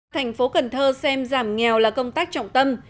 thành phố cần thơ xem giảm nghèo là công tác trọng tâm